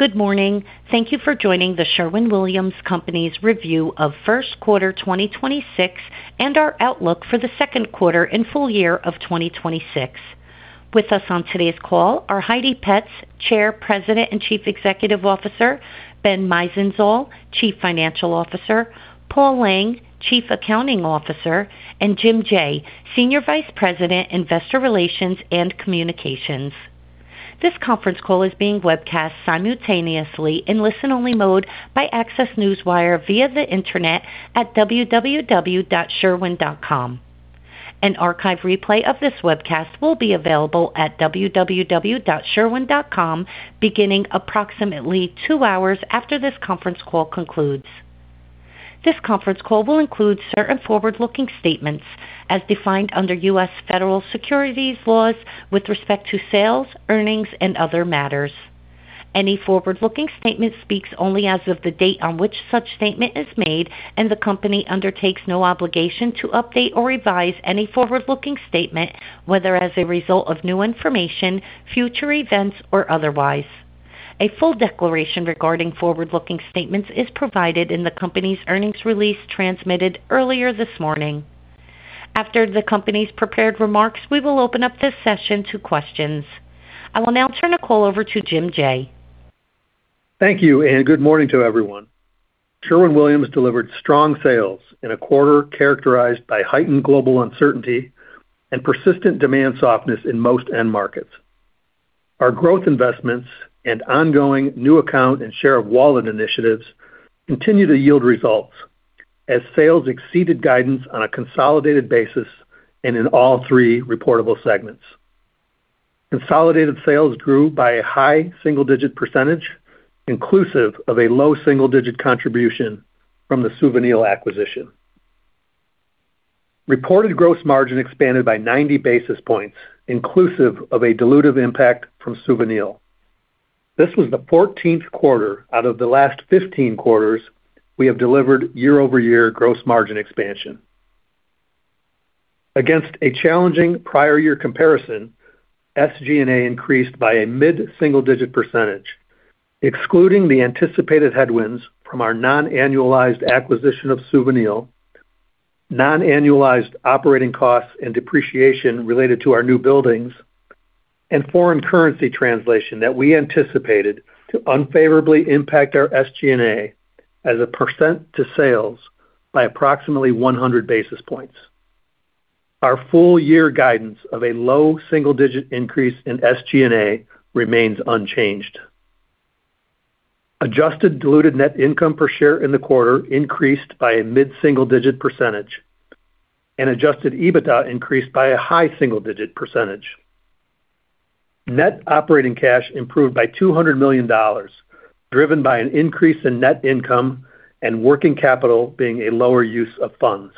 Good morning. Thank you for joining The Sherwin-Williams Company's review of first quarter 2026 and our outlook for the second quarter and full year of 2026. With us on today's call are Heidi Petz, Chair, President, and Chief Executive Officer, Ben Meisenzahl, Chief Financial Officer, Paul Lang, Chief Accounting Officer, and Jim Jaye, Senior Vice President, Investor Relations and Communications. This conference call is being webcast simultaneously in listen-only mode by Accesswire via the Internet at www.sherwin.com. An archive replay of this webcast will be available at www.sherwin.com beginning approximately two hours after this conference call concludes. This conference call will include certain forward-looking statements as defined under US Federal Securities laws with respect to sales, earnings, and other matters. Any forward-looking statement speaks only as of the date on which such statement is made, and the company undertakes no obligation to update or revise any forward-looking statement, whether as a result of new information, future events, or otherwise. A full declaration regarding forward-looking statements is provided in the company's earnings release transmitted earlier this morning. After the company's prepared remarks, we will open up this session to questions. I will now turn the call over to Jim Jaye. Thank you, good morning to everyone. Sherwin-Williams delivered strong sales in a quarter characterized by heightened global uncertainty and persistent demand softness in most end markets. Our growth investments and ongoing new account and share of wallet initiatives continue to yield results as sales exceeded guidance on a consolidated basis and in all three reportable segments. Consolidated sales grew by a high single-digit%, inclusive of a low single-digit contribution from the Suvinil acquisition. Reported gross margin expanded by 90 basis points, inclusive of a dilutive impact from Suvinil. This was the fourteenth quarter out of the last 15 quarters we have delivered year-over-year gross margin expansion. Against a challenging prior year comparison, SG&A increased by a mid-single-digit percentage, excluding the anticipated headwinds from our non-annualized acquisition of Suvinil, non-annualized operating costs and depreciation related to our new buildings, and foreign currency translation that we anticipated to unfavorably impact our SG&A as a percent to sales by approximately 100 basis points. Our full year guidance of a low-single-digit increase in SG&A remains unchanged. Adjusted diluted net income per share in the quarter increased by a mid-single-digit percentage, and adjusted EBITDA increased by a high-single-digit percentage. Net operating cash improved by $200 million, driven by an increase in net income and working capital being a lower use of funds.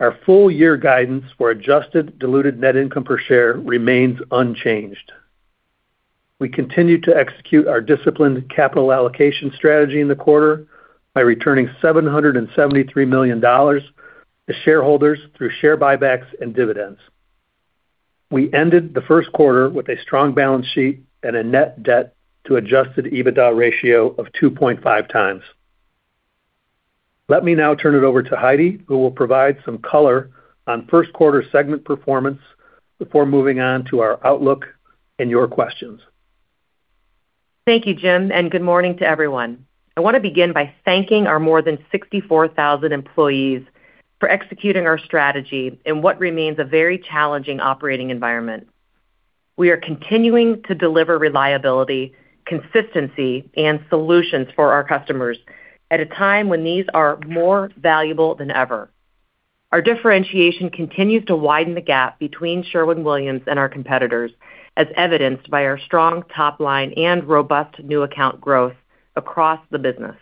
Our full year guidance for adjusted diluted net income per share remains unchanged. We continued to execute our disciplined capital allocation strategy in the quarter by returning $773 million to shareholders through share buybacks and dividends. We ended the first quarter with a strong balance sheet and a net debt to adjusted EBITDA ratio of 2.5x. Let me now turn it over to Heidi, who will provide some color on first quarter segment performance before moving on to our outlook and your questions. Thank you, Jim, and good morning to everyone. I want to begin by thanking our more than 64,000 employees for executing our strategy in what remains a very challenging operating environment. We are continuing to deliver reliability, consistency, and solutions for our customers at a time when these are more valuable than ever. Our differentiation continues to widen the gap between Sherwin-Williams and our competitors, as evidenced by our strong top line and robust new account growth across the business.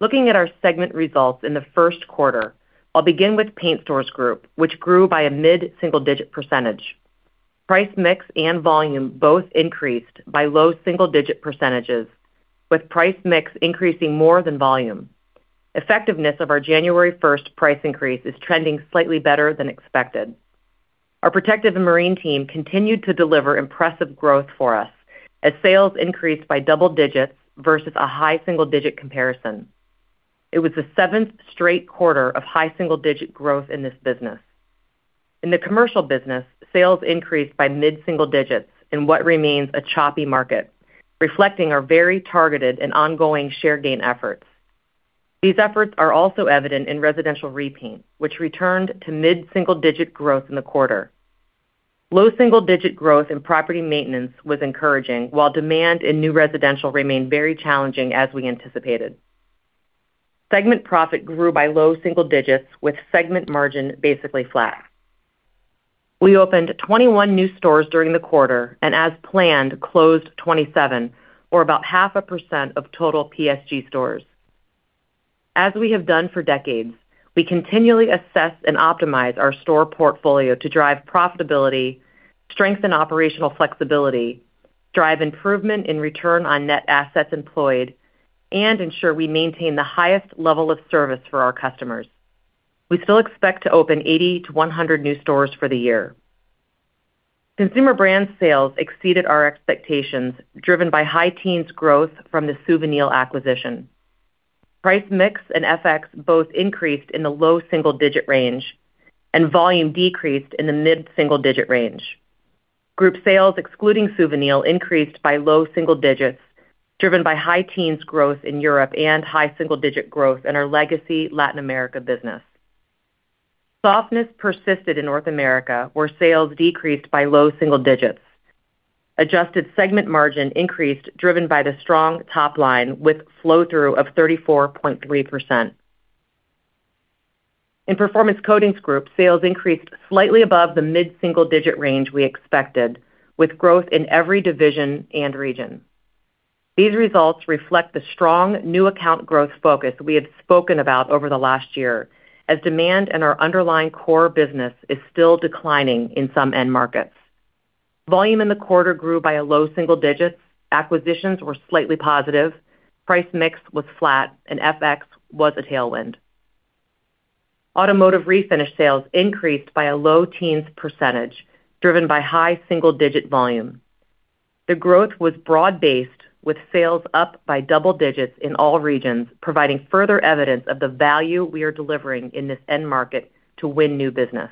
Looking at our segment results in the first quarter, I'll begin with Paint Stores Group, which grew by a mid-single digit %. Price mix and volume both increased by low single-digit %, with price mix increasing more than volume. Effectiveness of our January first price increase is trending slightly better than expected. Our Protective & Marine team continued to deliver impressive growth for us as sales increased by double digits versus a high single-digit comparison. It was the seventh straight quarter of high single-digit growth in this business. In the commercial business, sales increased by mid-single digits in what remains a choppy market, reflecting our very targeted and ongoing share gain efforts. These efforts are also evident in residential repaint, which returned to mid-single digit growth in the quarter. Low single-digit growth in property maintenance was encouraging, while demand in new residential remained very challenging as we anticipated. Segment profit grew by low single digits with segment margin basically flat. We opened 21 new stores during the quarter and as planned closed 27 or about half a percent of total PSG stores. As we have done for decades, we continually assess and optimize our store portfolio to drive profitability, strengthen operational flexibility, drive improvement in Return on Net Assets employed, and ensure we maintain the highest level of service for our customers. We still expect to open 80-100 new stores for the year. Consumer Brands sales exceeded our expectations, driven by high-teens growth from the Suvinil acquisition. Price mix and FX both increased in the low single-digit range, and volume decreased in the mid-single-digit range. Group sales, excluding Suvinil, increased by low single digits, driven by high-teens growth in Europe and high single-digit growth in our legacy Latin America business. Softness persisted in North America, where sales decreased by low single digits. Adjusted segment margin increased, driven by the strong top line with flow-through of 34.3%. In Performance Coatings Group, sales increased slightly above the mid-single-digit range we expected, with growth in every division and region. These results reflect the strong new account growth focus we have spoken about over the last year, as demand in our underlying core business is still declining in some end markets. Volume in the quarter grew by a low single digits, acquisitions were slightly positive, price mix was flat, and FX was a tailwind. Automotive Refinish sales increased by a low teens percentage, driven by high single-digit volume. The growth was broad-based, with sales up by double digits in all regions, providing further evidence of the value we are delivering in this end market to win new business.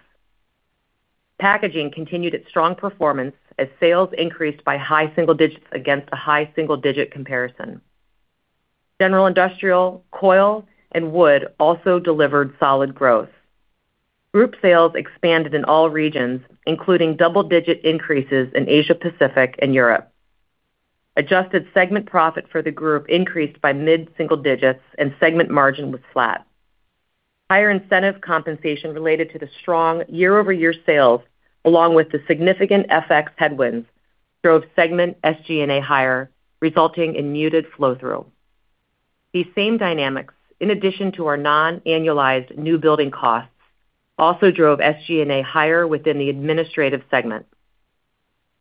Packaging continued its strong performance as sales increased by high single digits against a high single-digit comparison. General Industrial, Coil, and Wood also delivered solid growth. Group sales expanded in all regions, including double-digit increases in Asia Pacific and Europe. Adjusted segment profit for the group increased by mid-single digits, and segment margin was flat. Higher incentive compensation related to the strong year-over-year sales, along with the significant FX headwinds, drove segment SG&A higher, resulting in muted flow-through. These same dynamics, in addition to our non-annualized new building costs, also drove SG&A higher within the administrative segment.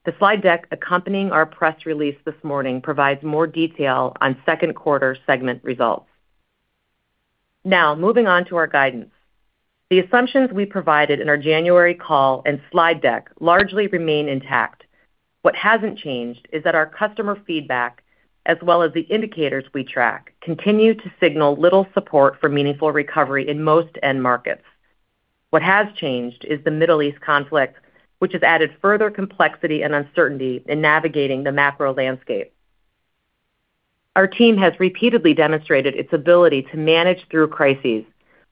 The slide deck accompanying our press release this morning provides more detail on second quarter segment results. Moving on to our guidance. The assumptions we provided in our January call and slide deck largely remain intact. What hasn't changed is that our customer feedback, as well as the indicators we track, continue to signal little support for meaningful recovery in most end markets. What has changed is the Middle East conflict, which has added further complexity and uncertainty in navigating the macro landscape. Our team has repeatedly demonstrated its ability to manage through crises,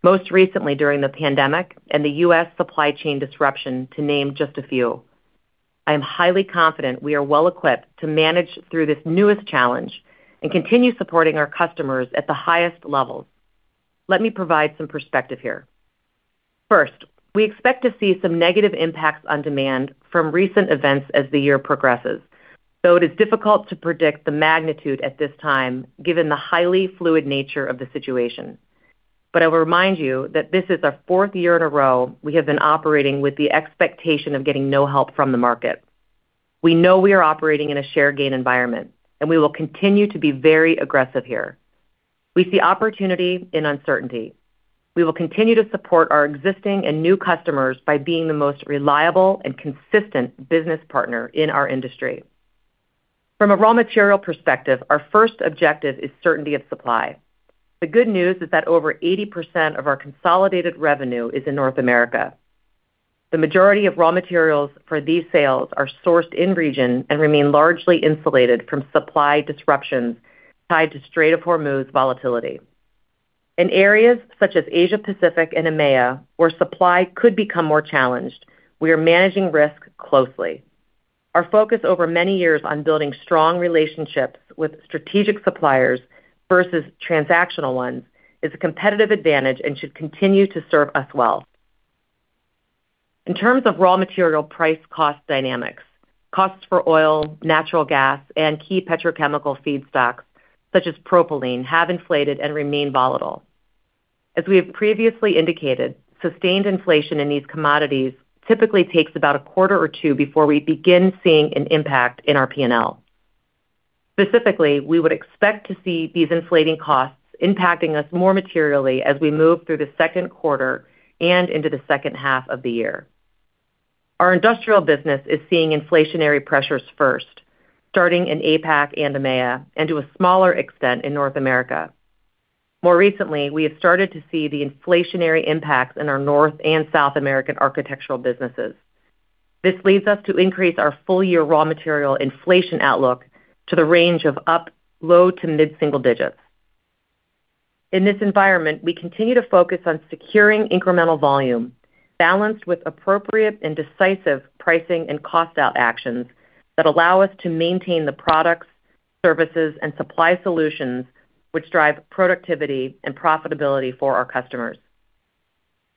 most recently during the pandemic and the US supply chain disruption, to name just a few. I am highly confident we are well equipped to manage through this newest challenge and continue supporting our customers at the highest levels. Let me provide some perspective here. First, we expect to see some negative impacts on demand from recent events as the year progresses, though it is difficult to predict the magnitude at this time given the highly fluid nature of the situation. I will remind you that this is our fourth year in a row we have been operating with the expectation of getting no help from the market. We know we are operating in a share gain environment, and we will continue to be very aggressive here. We see opportunity in uncertainty. We will continue to support our existing and new customers by being the most reliable and consistent business partner in our industry. From a raw material perspective, our first objective is certainty of supply. The good news is that over 80% of our consolidated revenue is in North America. The majority of raw materials for these sales are sourced in region and remain largely insulated from supply disruptions tied to Strait of Hormuz volatility. In areas such as Asia Pacific and EMEA, where supply could become more challenged, we are managing risk closely. Our focus over many years on building strong relationships with strategic suppliers versus transactional ones is a competitive advantage and should continue to serve us well. In terms of raw material price cost dynamics, costs for oil, natural gas, and key petrochemical feedstocks such as propylene have inflated and remain volatile. As we have previously indicated, sustained inflation in these commodities typically takes about a quarter or two before we begin seeing an impact in our P&L. Specifically, we would expect to see these inflating costs impacting us more materially as we move through the second quarter and into the second half of the year. Our industrial business is seeing inflationary pressures first, starting in APAC and EMEA, and to a smaller extent in North America. More recently, we have started to see the inflationary impacts in our North and South American architectural businesses. This leads us to increase our full-year raw material inflation outlook to the range of up low to mid-single digits. In this environment, we continue to focus on securing incremental volume balanced with appropriate and decisive pricing and cost out actions that allow us to maintain the products, services, and supply solutions which drive productivity and profitability for our customers.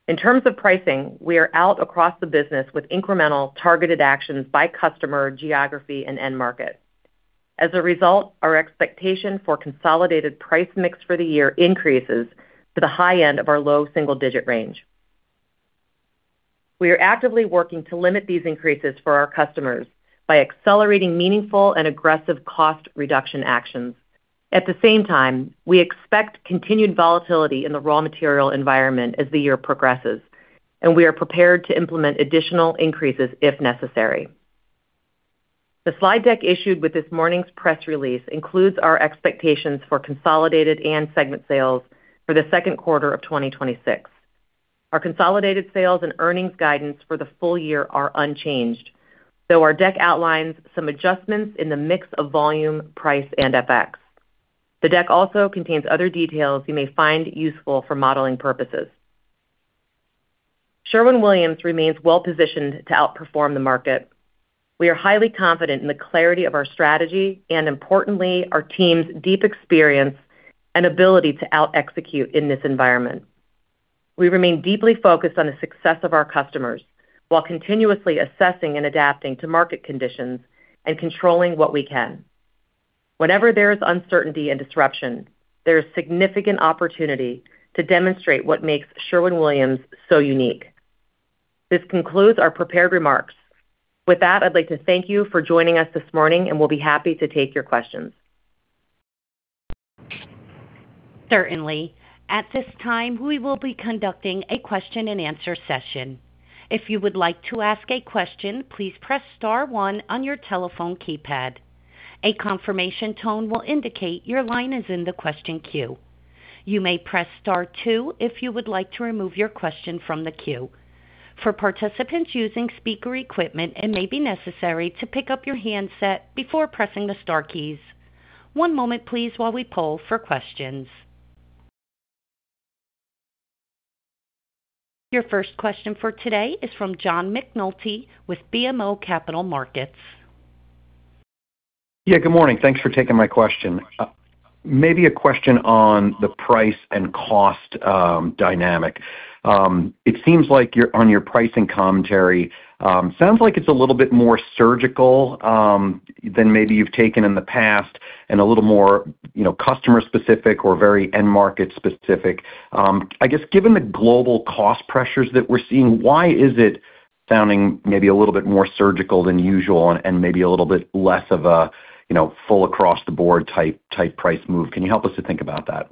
In terms of pricing, we are out across the business with incremental targeted actions by customer, geography, and end market. As a result, our expectation for consolidated price mix for the year increases to the high end of our low single-digit range. We are actively working to limit these increases for our customers by accelerating meaningful and aggressive cost reduction actions. At the same time, we expect continued volatility in the raw material environment as the year progresses, and we are prepared to implement additional increases if necessary. The slide deck issued with this morning's press release includes our expectations for consolidated and segment sales for the Q2 2026. Our consolidated sales and earnings guidance for the full year are unchanged, though our deck outlines some adjustments in the mix of volume, price, and FX. The deck also contains other details you may find useful for modeling purposes. Sherwin-Williams remains well-positioned to outperform the market. We are highly confident in the clarity of our strategy and importantly, our team's deep experience and ability to out-execute in this environment. We remain deeply focused on the success of our customers while continuously assessing and adapting to market conditions and controlling what we can. Whenever there is uncertainty and disruption, there is significant opportunity to demonstrate what makes Sherwin-Williams so unique. This concludes our prepared remarks. With that, I'd like to thank you for joining us this morning, and we'll be happy to take your questions. Certainly. At this time, we will be conducting a question-and-answer session. If you would like to ask a question, please press star one on your telephone keypad. A confirmation tone will indicate your line is in the question queue. For Participants using speaker equipment, it may be necessary to pick up your headset before pressing the star keys. One moment, please, while we poll for questions. Your first question for today is from John McNulty with BMO Capital Markets. Yeah, good morning. Thanks for taking my question. Maybe a question on the price and cost dynamic. It seems like on your pricing commentary, sounds like it's a little bit more surgical than maybe you've taken in the past and a little more, you know, customer-specific or very end market specific. I guess given the global cost pressures that we're seeing, why is it sounding maybe a little bit more surgical than usual and maybe a little bit less of a, you know, full across the board type price move? Can you help us to think about that?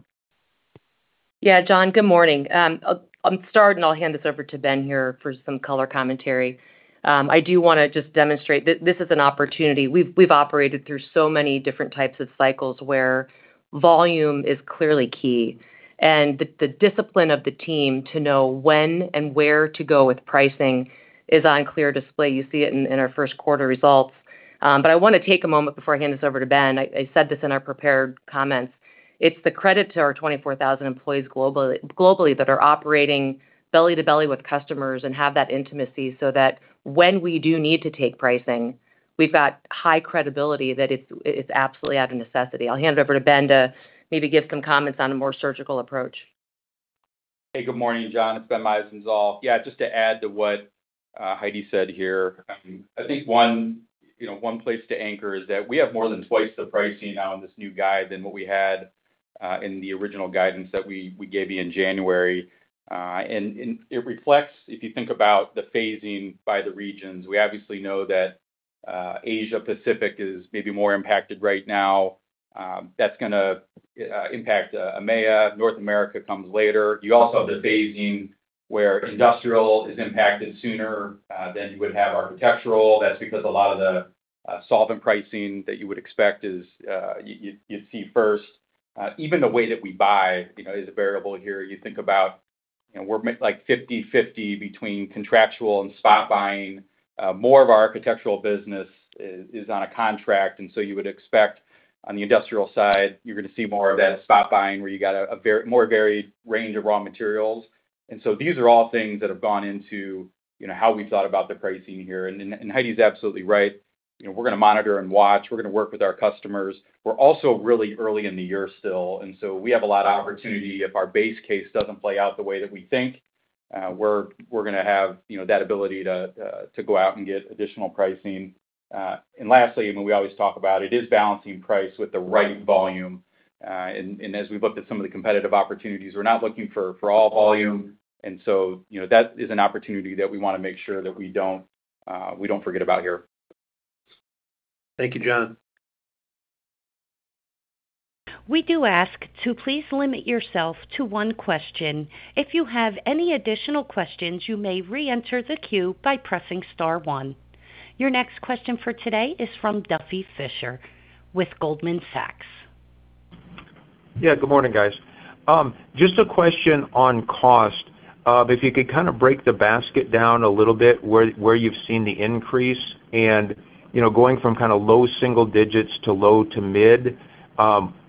John, good morning. I'll start, I'll hand this over to Ben here for some color commentary. I do want to just demonstrate this is an opportunity. We've operated through so many different types of cycles where volume is clearly key, the discipline of the team to know when and where to go with pricing is on clear display. You see it in our first quarter results. I want to take a moment before I hand this over to Ben. I said this in our prepared comments. It's the credit to our 24,000 employees globally that are operating belly to belly with customers and have that intimacy so that when we do need to take pricing, we've got high credibility that it's absolutely out of necessity. I'll hand it over to Ben to maybe give some comments on a more surgical approach. Hey, good morning, John. It's Ben Meisenzahl. Just to add to what Heidi said here, I think one, you know, one place to anchor is that we have more than 2x the pricing now in this new guide than what we had in the original guidance that we gave you in January. It reflects, if you think about the phasing by the regions, we obviously know that Asia-Pacific is maybe more impacted right now. That's gonna impact EMEA. North America comes later. You also have the phasing where industrial is impacted sooner than you would have architectural. That's because a lot of the solvent pricing that you would expect is you'd see first. Even the way that we buy, you know, is a variable here. You think about, you know, we're like 50/50 between contractual and spot buying. More of our architectural business is on a contract. You would expect on the industrial side, you're gonna see more of that spot buying where you got a more varied range of raw materials. These are all things that have gone into, you know, how we thought about the pricing here. Heidi's absolutely right. You know, we're gonna monitor and watch. We're gonna work with our customers. We're also really early in the year still. We have a lot of opportunity. If our base case doesn't play out the way that we think, we're gonna have, you know, that ability to go out and get additional pricing. Lastly, I mean, we always talk about it is balancing price with the right volume. As we've looked at some of the competitive opportunities, we're not looking for all volume, you know, that is an opportunity that we want to make sure that we don't, we don't forget about here. Thank you, John. We do ask to please limit yourself to one question. If you have any additional questions, you may reenter the queue by pressing star one. Your next question for today is from Duffy Fischer with Goldman Sachs. Yeah, good morning, guys. Just a question on cost. If you could kinda break the basket down a little bit, where you've seen the increase and, you know, going from kinda low single digits to low to mid,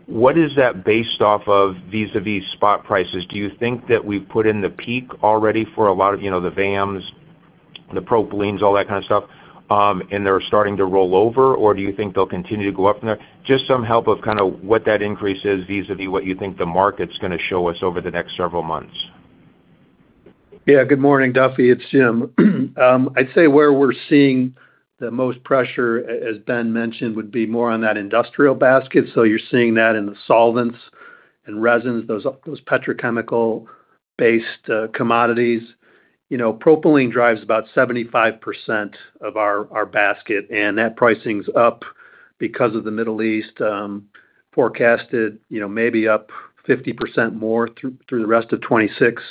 what is that based off of vis-a-vis spot prices? Do you think that we've put in the peak already for a lot of, you know, the VAMs, the propylene, all that kind of stuff, and they're starting to roll over? Or do you think they'll continue to go up from there? Just some help of kinda what that increase is vis-a-vis what you think the market's gonna show us over the next several months. Yeah. Good morning, Duffy. It's Jim. I'd say where we're seeing the most pressure, as Ben mentioned, would be more on that industrial basket. You're seeing that in the solvents Resins, those petrochemical-based commodities. You know, propylene drives about 75% of our basket, and that pricing's up because of the Middle East, forecasted, you know, maybe up 50% more through the rest of '26,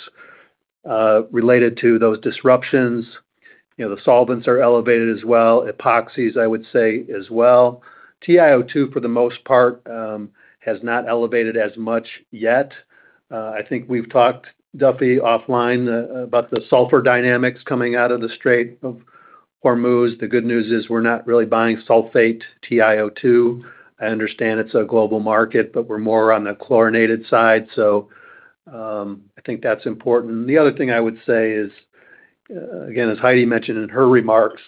related to those disruptions. You know, the solvents are elevated as well. Epoxies, I would say as well. TiO2, for the most part, has not elevated as much yet. I think we've talked, Duffy, offline about the sulfur dynamics coming out of the Strait of Hormuz. The good news is we're not really buying sulfate TiO2. I understand it's a global market, but we're more on the chlorinated side, so, I think that's important. The other thing I would say is, again, as Heidi mentioned in her remarks,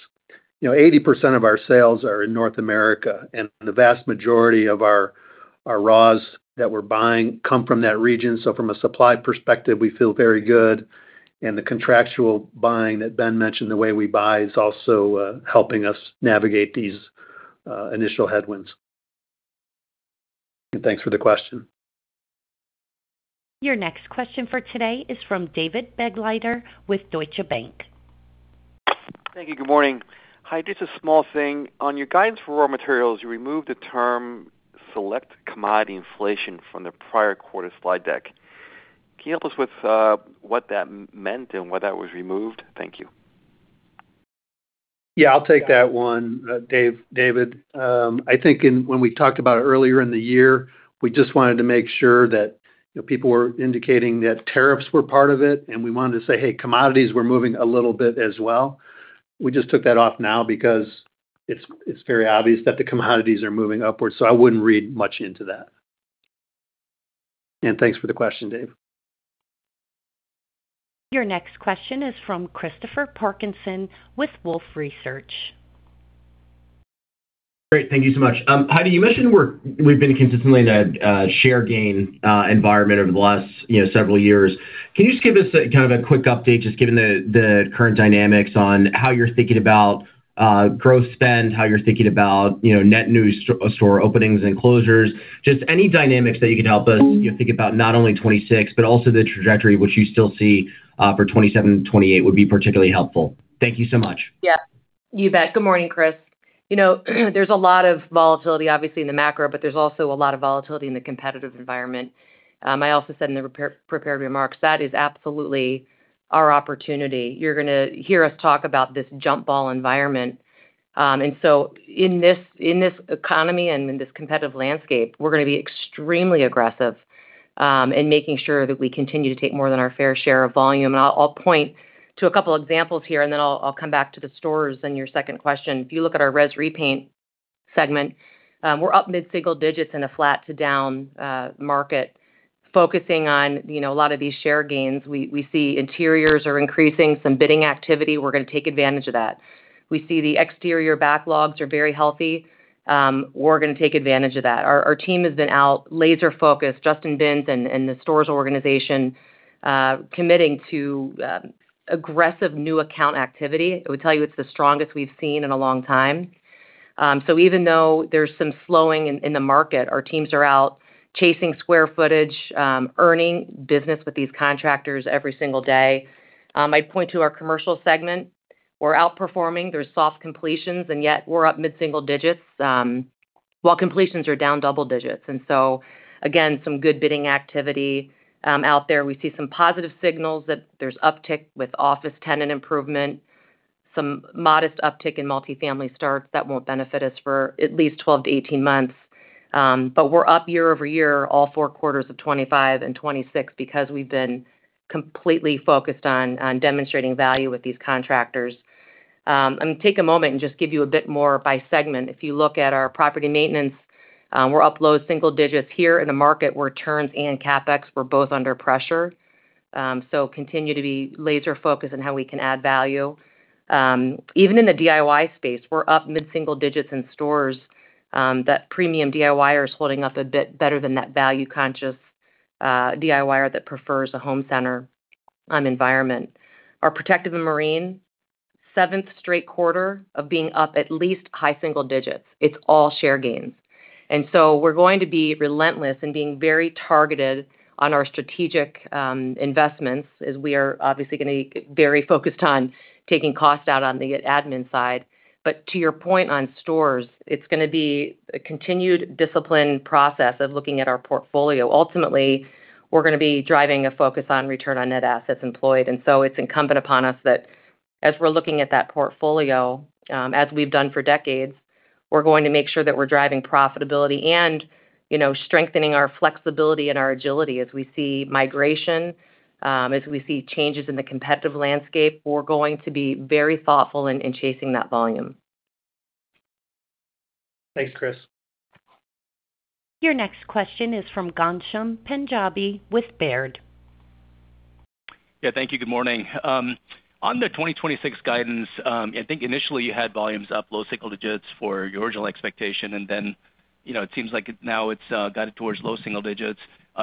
you know, 80% of our sales are in North America, and the vast majority of our raws that we're buying come from that region. From a supply perspective, we feel very good. The contractual buying that Ben mentioned, the way we buy, is also helping us navigate these initial headwinds. Thanks for the question. Your next question for today is from David Begleiter with Deutsche Bank. Thank you. Good morning. Heidi, just a small thing. On your guidance for raw materials, you removed the term select commodity inflation from the prior quarter slide deck. Can you help us with what that meant and why that was removed? Thank you. Yeah, I'll take that one, Dave, David. I think when we talked about it earlier in the year, we just wanted to make sure that, you know, people were indicating that tariffs were part of it, and we wanted to say, "Hey, commodities were moving a little bit as well." We just took that off now because it's very obvious that the commodities are moving upwards. I wouldn't read much into that. Thanks for the question, Dave. Your next question is from Chris Parkinson with Wolfe Research. Great. Thank you so much. Heidi, you mentioned we've been consistently in a share gain environment over the last, you know, several years. Can you just give us a kind of a quick update, just given the current dynamics on how you're thinking about growth spend, how you're thinking about, you know, net new store openings and closures? Just any dynamics that you can help us, you know, think about not only 2026, but also the trajectory which you still see for 2027 and 2028 would be particularly helpful. Thank you so much. Yeah. You bet. Good morning, Chris. You know, there's a lot of volatility, obviously, in the macro. There's also a lot of volatility in the competitive environment. I also said in the prepared remarks, that is absolutely our opportunity. You're gonna hear us talk about this jump ball environment. In this, in this economy and in this competitive landscape, we're gonna be extremely aggressive in making sure that we continue to take more than our fair share of volume. I'll point to a couple examples here, then I'll come back to the stores in your second question. If you look at our res repaint segment, we're up mid-single-digits in a flat to down market, focusing on, you know, a lot of these share gains. We see interiors are increasing, some bidding activity. We're gonna take advantage of that. We see the exterior backlogs are very healthy. We're gonna take advantage of that. Our team has been out laser-focused, Justin Binns and the stores organization, committing to aggressive new account activity. I would tell you it's the strongest we've seen in a long time. Even though there's some slowing in the market, our teams are out chasing square footage, earning business with these contractors every single day. I'd point to our commercial segment. We're outperforming. There's soft completions, yet we're up mid-single digits, while completions are down double digits. Again, some good bidding activity out there. We see some positive signals that there's uptick with office tenant improvement, some modest uptick in multifamily starts that won't benefit us for at least 12 to 18 months. We're up year-over-year, all four quarters of 2025 and 2026 because we've been completely focused on demonstrating value with these contractors. Let me take a moment and just give you a bit more by segment. If you look at our property maintenance, we're up low single digits here in a market where turns and CapEx were both under pressure. Continue to be laser-focused on how we can add value. Even in the DIY space, we're up mid-single digits in stores, that premium DIYer is holding up a bit better than that value-conscious DIYer that prefers a home center environment. Our Protective & Marine, seventh straight quarter of being up at least high single digits. It's all share gains. We're going to be relentless in being very targeted on our strategic investments, as we are obviously gonna be very focused on taking costs out on the admin side. To your point on stores, it's gonna be a continued disciplined process of looking at our portfolio. Ultimately, we're gonna be driving a focus on Return on Net Assets employed. It's incumbent upon us that as we're looking at that portfolio, as we've done for decades, we're going to make sure that we're driving profitability and, you know, strengthening our flexibility and our agility as we see migration, as we see changes in the competitive landscape. We're going to be very thoughtful in chasing that volume. Thanks, Chris. Your next question is from Ghansham Panjabi with Baird. Yeah. Thank you. Good morning. On the 2026 guidance, I think initially you had volumes up low single digits for your original expectation, and then, you know, it seems like now it's guided towards low single digits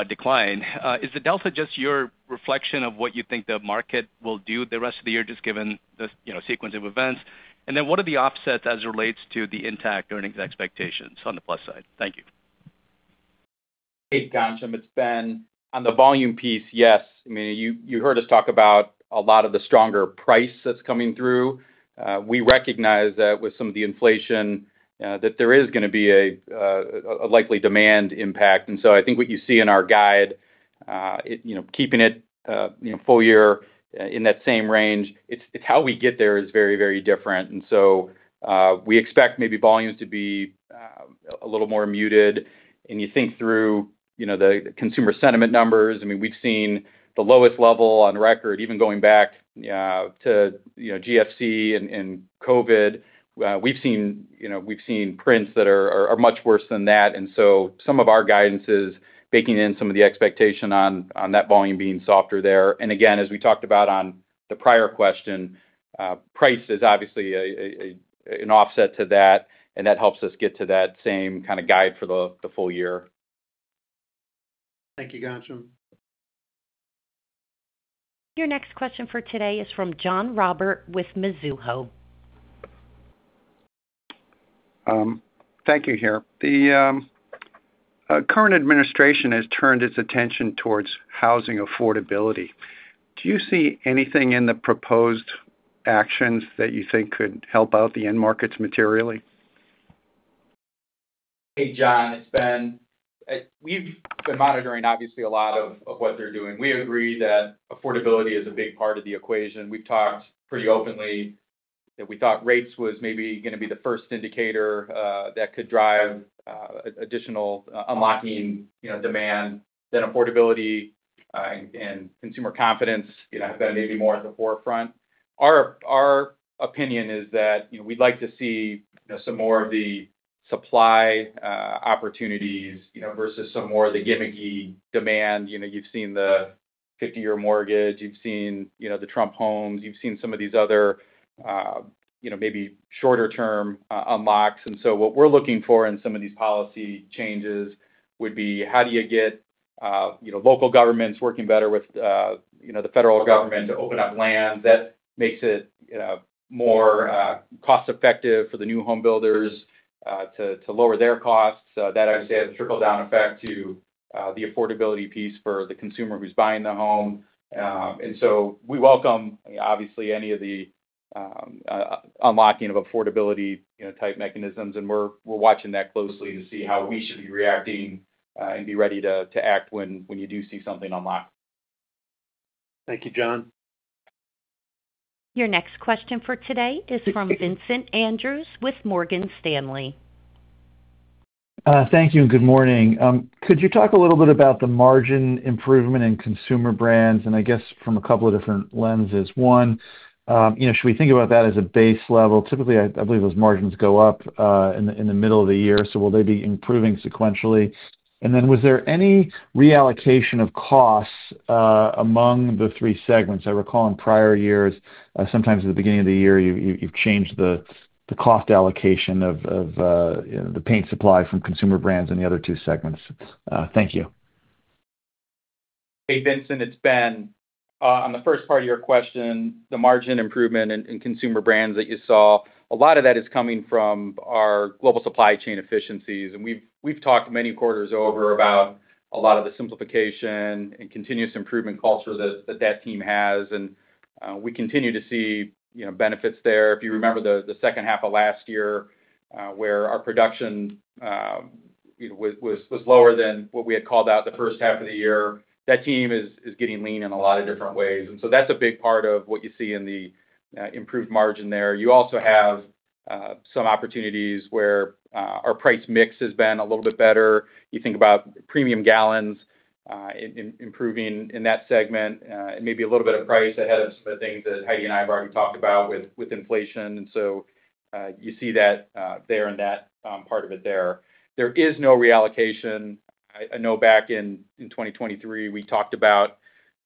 decline. Is the delta just your reflection of what you think the market will do the rest of the year, just given the, you know, sequence of events? What are the offsets as it relates to the intact earnings expectations on the plus side? Thank you. Hey, Ghansham, it's Ben. On the volume piece, yes, I mean, you heard us talk about a lot of the stronger price that's coming through. We recognize that with some of the inflation that there is going to be a likely demand impact. I think what you see in our guide, it, you know, keeping it, you know, full year in that same range, it's how we get there is very, very different. We expect maybe volumes to be a little more muted. You think through, you know, the consumer sentiment numbers. I mean, we've seen the lowest level on record, even going back to, you know, GFC and COVID. We've seen, you know, prints that are much worse than that. Some of our guidance is baking in some of the expectation on that volume being softer there. Again, as we talked about on the prior question, price is obviously an offset to that, and that helps us get to that same kind of guide for the full year. Thank you, Ghansham. Your next question for today is from John Roberts with Mizuho. Thank you, Claire. The current administration has turned its attention towards housing affordability. Do you see anything in the proposed actions that you think could help out the end markets materially? Hey, John, it's Ben. We've been monitoring obviously a lot of what they're doing. We agree that affordability is a big part of the equation. We've talked pretty openly that we thought rates was maybe gonna be the first indicator that could drive additional unlocking, you know, demand, then affordability and consumer confidence, you know, have been maybe more at the forefront. Our opinion is that, you know, we'd like to see, you know, some more of the supply opportunities, you know, versus some more of the gimmicky demand. You know, you've seen the 50-year mortgage, you've seen, you know, the Trump homes, you've seen some of these other, you know, maybe shorter term unlocks. What we're looking for in some of these policy changes would be how do you get, you know, local governments working better with, you know, the Federal Government to open up land that makes it, you know, more cost-effective for the new home builders to lower their costs. That obviously has a trickle-down effect to the affordability piece for the consumer who's buying the home. We welcome obviously any of the unlocking of affordability, you know, type mechanisms, and we're watching that closely to see how we should be reacting and be ready to act when you do see something unlock. Thank you, John. Your next question for today is from Vincent Andrews with Morgan Stanley. Thank you, and good morning. Could you talk a little bit about the margin improvement in Consumer Brands, and I guess from a couple of different lenses? One, you know, should we think about that as a base level? Typically, I believe those margins go up in the middle of the year, so will they be improving sequentially? Was there any reallocation of costs among the three segments? I recall in prior years, sometimes at the beginning of the year, you've changed the cost allocation of, you know, the paint supply from Consumer Brands in the other two segments. Thank you. Hey, Vincent, it's Ben. On the 1st part of your question, the margin improvement in consumer brands that you saw, a lot of that is coming from our global supply chain efficiencies. We've talked many quarters over about a lot of the simplification and continuous improvement culture that team has, we continue to see, you know, benefits there. If you remember the 2nd half of last year, where our production, you know, was lower than what we had called out the 1st half of the year, that team is getting lean in a lot of different ways. That's a big part of what you see in the improved margin there. You also have some opportunities where our price mix has been a little bit better. You think about premium gallons, improving in that segment, and maybe a little bit of price ahead of some of the things that Heidi and I have already talked about with inflation. You see that there in that part of it there. There is no reallocation. I know back in 2023, we talked about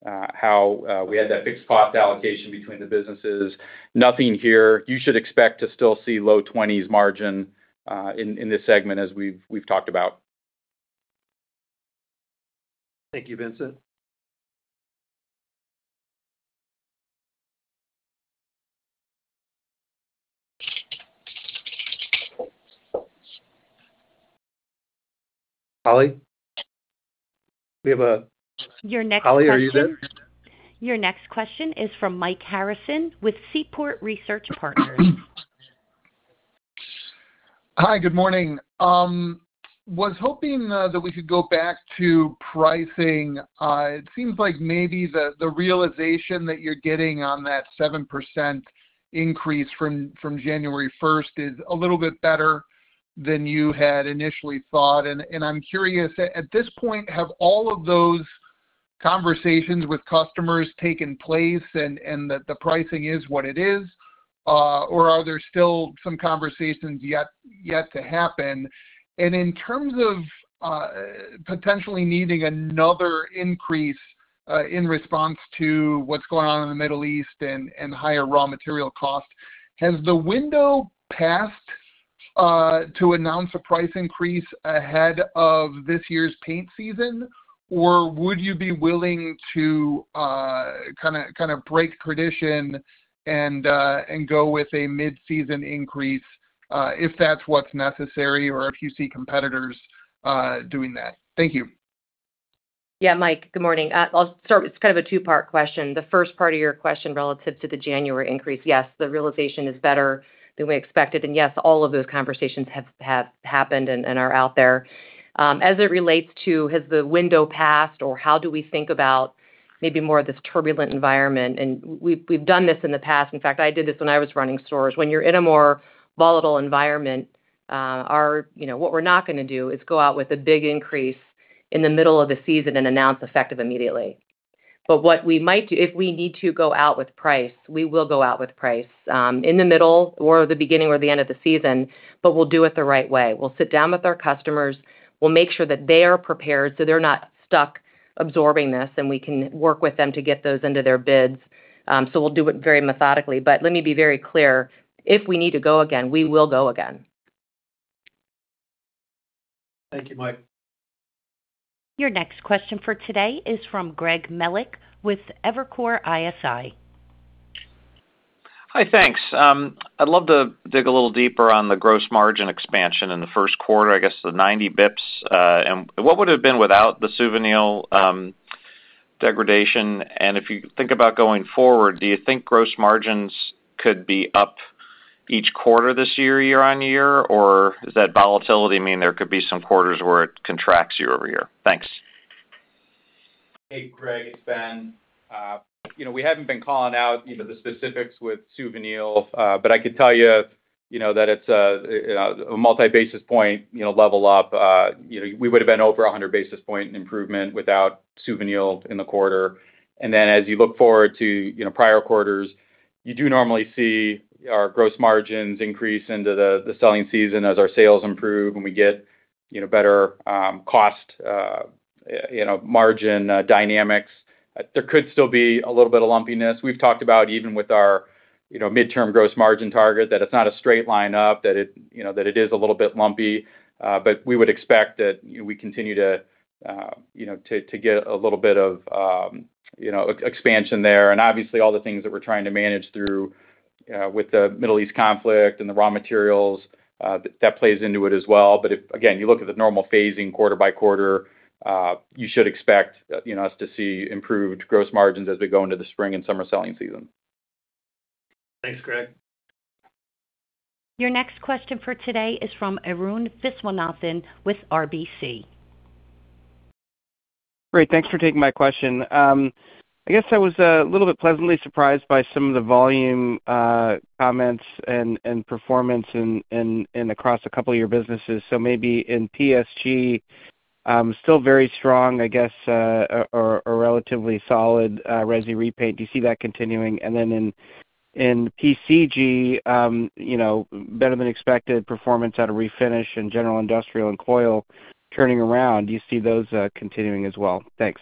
how we had that fixed cost allocation between the businesses. Nothing here. You should expect to still see low 20s margin in this segment as we've talked about. Thank you, Vincent. Holly? Your next question. Holly, are you there? Your next question is from Mike Harrison with Seaport Research Partners. Hi, good morning. was hoping that we could go back to pricing. It seems like maybe the realization that you're getting on that 7% increase from January 1st is a little bit better than you had initially thought. I'm curious, at this point, have all of those conversations with customers taken place and that the pricing is what it is, or are there still some conversations yet to happen? In terms of potentially needing another increase in response to what's going on in the Middle East and higher raw material costs, has the window passed to announce a price increase ahead of this year's paint season? Would you be willing to, kind of break tradition and go with a mid-season increase? If that's what's necessary or if you see competitors doing that. Thank you. Yeah, Mike, good morning. It's kind of a two-part question. The first part of your question relative to the January increase, yes, the realization is better than we expected. Yes, all of those conversations have happened and are out there. As it relates to has the window passed or how do we think about maybe more of this turbulent environment, we've done this in the past. In fact, I did this when I was running stores. When you're in a more volatile environment, you know, what we're not gonna do is go out with a big increase in the middle of the season and announce effective immediately. What we might do, if we need to go out with price, we will go out with price, in the middle or the beginning or the end of the season. We'll do it the right way. We'll sit down with our customers. We'll make sure that they are prepared, so they're not stuck absorbing this, and we can work with them to get those into their bids. So we'll do it very methodically. Let me be very clear. If we need to go again, we will go again. Thank you, Mike. Your next question for today is from Greg Melich with Evercore ISI. Hi, thanks. I'd love to dig a little deeper on the gross margin expansion in the first quarter, I guess the 90 basis points. What would it have been without the Suvinil degradation? If you think about going forward, do you think gross margins could be up each quarter this year-over-year? Or does that volatility mean there could be some quarters where it contracts year-over-year? Thanks. Hey, Greg, it's Ben. You know, we haven't been calling out, you know, the specifics with Suvinil. I could tell you know, that it's a multi-basis point, you know, level up. You know, we would have been over a 100 basis point improvement without Suvinil in the quarter. As you look forward to, you know, prior quarters, you do normally see our gross margins increase into the selling season as our sales improve and we get, you know, better cost, you know, margin dynamics. There could still be a little bit of lumpiness. We've talked about even with our, you know, midterm gross margin target, that it's not a straight line up, that it, you know, that it is a little bit lumpy. We would expect that, you know, we continue, you know, to get a little bit of, you know, expansion there. Obviously all the things that we're trying to manage through with the Middle East conflict and the raw materials, that plays into it as well. If, again, you look at the normal phasing quarter by quarter, you should expect, you know, us to see improved gross margins as we go into the spring and summer selling season. Thanks, Greg. Your next question for today is from Arun Viswanathan with RBC. Great. Thanks for taking my question. I guess I was a little bit pleasantly surprised by some of the volume comments and performance in, across a couple of your businesses. Maybe in PSG, still very strong, I guess, or relatively solid, resi repaint. Do you see that continuing? In, in PCG, you know, better than expected performance out of Refinish and general industrial and coil turning around. Do you see those continuing as well? Thanks.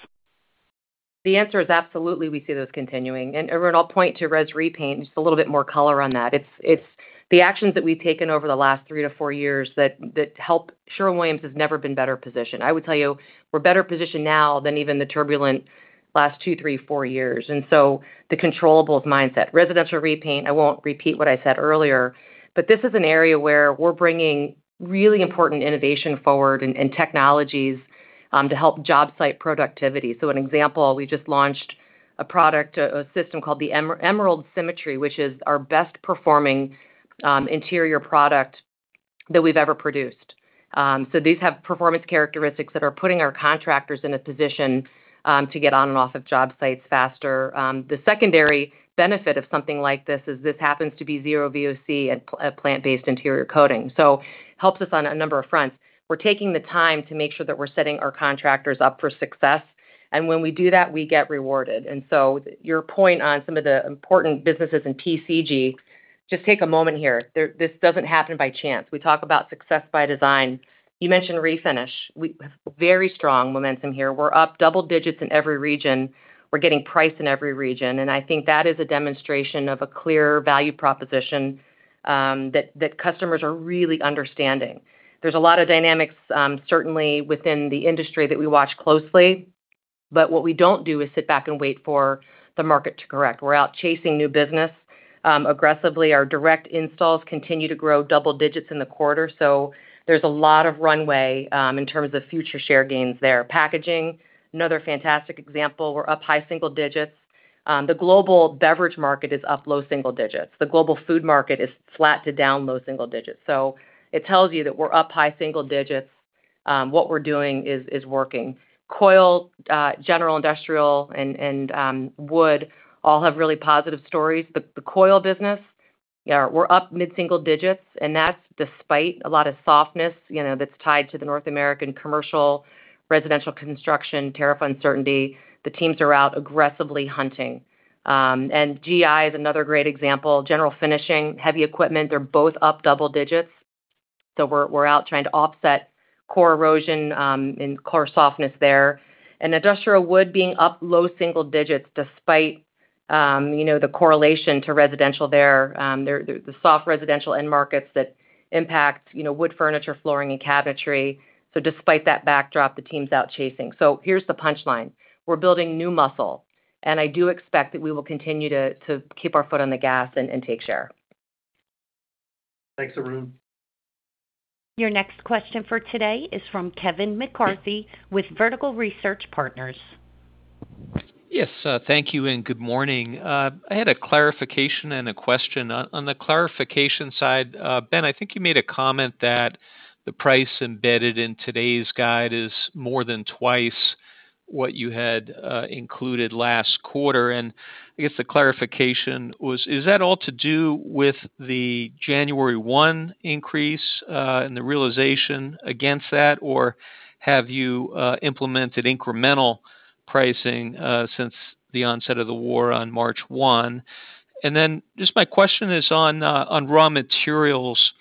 The answer is absolutely, we see those continuing. Everyone, I'll point to res repaint, just a little bit more color on that. It's the actions that we've taken over the last three to four years that help Sherwin-Williams has never been better positioned. I would tell you we're better positioned now than even the turbulent last two, three, four years. The controllable mindset. Residential repaint, I won't repeat what I said earlier, but this is an area where we're bringing really important innovation forward and technologies to help job site productivity. An example, we just launched a product, a system called the Emerald Symmetry, which is our best performing interior product that we've ever produced. These have performance characteristics that are putting our contractors in a position to get on and off of job sites faster. The secondary benefit of something like this is this happens to be zero VOC and a plant-based interior coating. Helps us on a number of fronts. We're taking the time to make sure that we're setting our contractors up for success. When we do that, we get rewarded. Your point on some of the important businesses in PCG, just take a moment here. This doesn't happen by chance. We talk about success by design. You mentioned Refinish. Very strong momentum here. We're up double digits in every region. We're getting price in every region. I think that is a demonstration of a clear value proposition that customers are really understanding. There's a lot of dynamics, certainly within the industry that we watch closely. What we don't do is sit back and wait for the market to correct. We're out chasing new business aggressively. Our direct installs continue to grow double digits in the quarter. There's a lot of runway in terms of future share gains there. Packaging, another fantastic example. We're up high single digits. The global beverage market is up low single digits. The global food market is flat to down low single digits. It tells you that we're up high single digits. What we're doing is working. Coil, general industrial and wood all have really positive stories. The coil business, yeah, we're up mid-single digits, and that's despite a lot of softness, you know, that's tied to the North American commercial, residential construction, tariff uncertainty. The teams are out aggressively hunting. GI is another great example. General finishing, heavy equipment, they're both up double digits. We're out trying to offset core erosion and core softness there. Industrial wood being up low single digits despite, you know, the correlation to residential there. The soft residential end markets that impact, you know, wood furniture, flooring, and cabinetry. Despite that backdrop, the team's out chasing. Here's the punchline: We're building new muscle. And I do expect that we will continue to keep our foot on the gas and take share. Thanks, Arun. Your next question for today is from Kevin McCarthy with Vertical Research Partners. Yes, thank you and good morning. I had a clarification and a question. On the clarification side, Ben, I think you made a comment that the price embedded in today's guide is more than twice what you had included last quarter. I guess the clarification was, is that all to do with the January 1 increase and the realization against that? Or have you implemented incremental pricing since the onset of the war on March 1? Then just my question is on raw materials.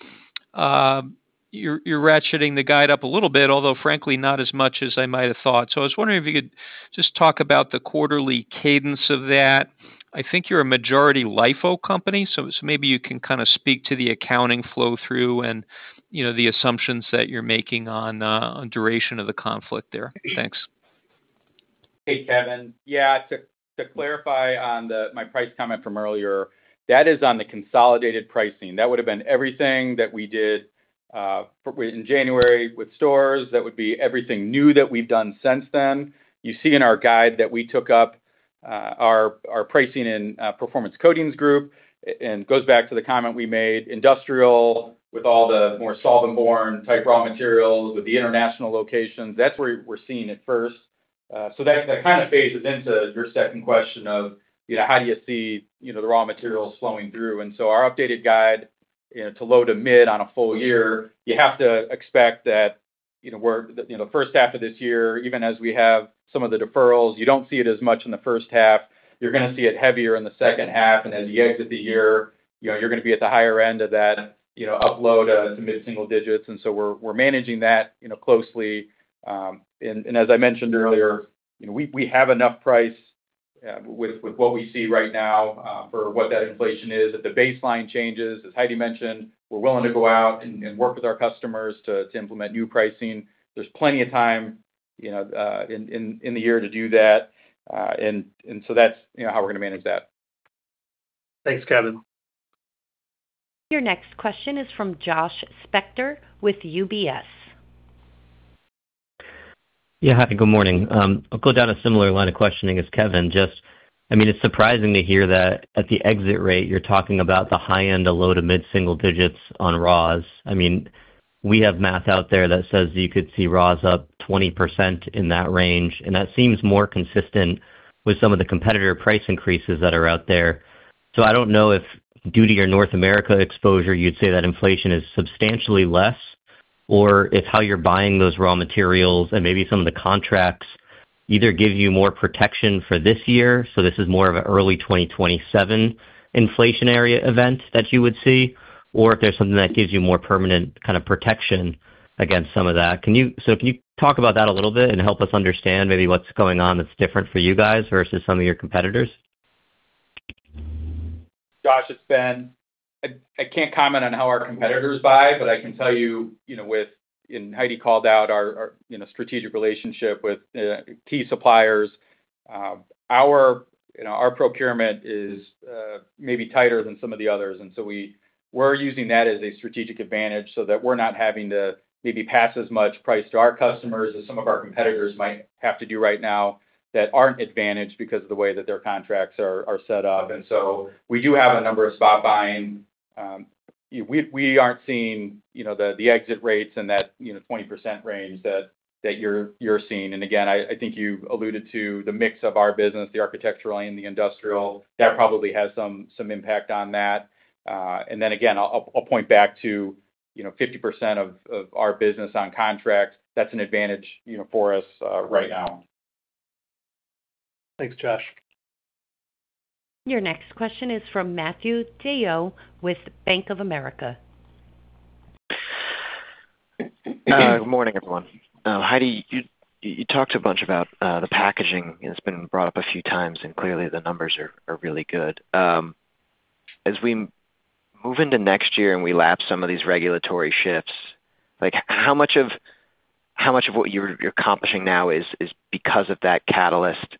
You're ratcheting the guide up a little bit, although frankly not as much as I might have thought. I was wondering if you could just talk about the quarterly cadence of that. I think you're a majority LIFO company, so maybe you can kind of speak to the accounting flow through and, you know, the assumptions that you're making on duration of the conflict there. Thanks. Hey, Kevin. Yeah. To clarify on my price comment from earlier, that is on the consolidated pricing. That would've been everything that we did in January with stores, that would be everything new that we've done since then. You see in our guide that we took up our pricing and Performance Coatings Group, and it goes back to the comment we made, industrial with all the more solvent-borne type raw materials with the international locations, that's where we're seeing it first. That kind of phases into your second question of, you know, how do you see, you know, the raw materials flowing through? Our updated guide, you know, to low to mid on a full year, you have to expect that, you know, we're, you know, the first half of this year, even as we have some of the deferrals, you don't see it as much in the first half. You're gonna see it heavier in the second half, and as you exit the year, you know, you're gonna be at the higher end of that, you know, upload to mid-single digits. We're managing that, you know, closely. As I mentioned earlier, you know, we have enough price with what we see right now for what that inflation is. If the baseline changes, as Heidi mentioned, we're willing to go out and work with our customers to implement new pricing. There's plenty of time, you know, in the year to do that. That's, you know, how we're gonna manage that. Thanks, Kevin. Your next question is from Josh Spector with UBS. Yeah. Heidi, good morning. I'll go down a similar line of questioning as Kevin. I mean, it's surprising to hear that at the exit rate you're talking about the high end of low to mid-single digits on raws. I mean, we have math out there that says you could see raws up 20% in that range, and that seems more consistent with some of the competitor price increases that are out there. I don't know if due to your North America exposure, you'd say that inflation is substantially less, or if how you're buying those raw materials and maybe some of the contracts either give you more protection for this year, so this is more of an early 2027 inflationary event that you would see, or if there's something that gives you more permanent kind of protection against some of that. Can you talk about that a little bit and help us understand maybe what's going on that's different for you guys versus some of your competitors? Josh Spector, it's Ben Meisenzahl. I can't comment on how our competitors buy, but I can tell you know. Heidi Petz called out our, you know, strategic relationship with key suppliers. Our, you know, our procurement is maybe tighter than some of the others. We're using that as a strategic advantage so that we're not having to maybe pass as much price to our customers as some of our competitors might have to do right now that aren't advantaged because of the way that their contracts are set up. We do have a number of spot buying. We aren't seeing, you know, the exit rates and that, you know, 20% range that you're seeing. Again, I think you alluded to the mix of our business, the architectural and the industrial. That probably has some impact on that. Then again, I'll point back to, you know, 50% of our business on contracts. That's an advantage, you know, for us right now. Thanks, Josh. Your next question is from Matthew DeYoe with Bank of America. Good morning, everyone. Heidi, you talked a bunch about the packaging, and it's been brought up a few times, and clearly the numbers are really good. As we move into next year and we lap some of these regulatory shifts, like, how much of what you're accomplishing now is because of that catalyst?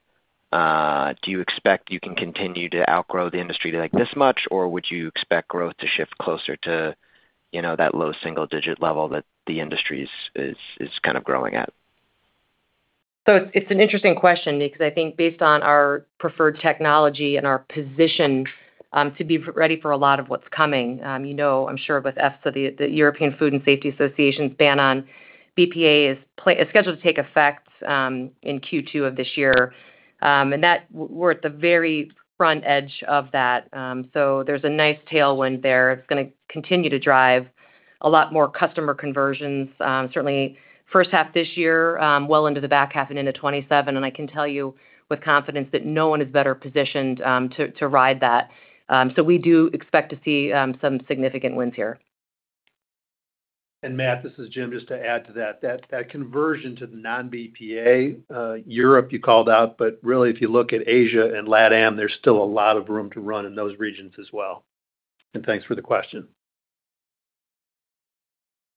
Do you expect you can continue to outgrow the industry like this much, or would you expect growth to shift closer to, you know, that low single digit level that the industry is kind of growing at? It's an interesting question because I think based on our preferred technology and our position, to be ready for a lot of what's coming, you know, I'm sure with EFSA, the European Food Safety Authority's ban on BPA is scheduled to take effect in Q2 of this year. That we're at the very front edge of that. There's a nice tailwind there. It's gonna continue to drive a lot more customer conversions, certainly first half this year, well into the back half and into 2027. I can tell you with confidence that no one is better positioned to ride that. We do expect to see some significant wins here. Matt, this is Jim. Just to add to that conversion to the non-BPA, Europe you called out, really if you look at Asia and LATAM, there's still a lot of room to run in those regions as well. Thanks for the question.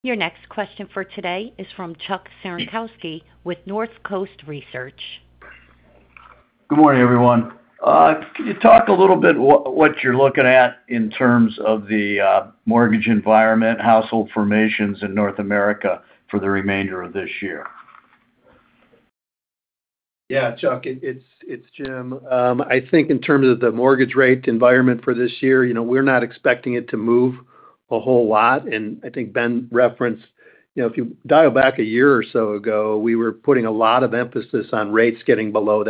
Your next question for today is from Chuck Cerankosky with Northcoast Research. Good morning, everyone. Can you talk a little bit what you're looking at in terms of the mortgage environment, household formations in North America for the remainder of this year? Yeah, Chuck, it's Jim. I think in terms of the mortgage rate environment for this year, you know, we're not expecting it to move a whole lot. I think Ben referenced, you know, if you dial back a year or so ago, we were putting a lot of emphasis on rates getting below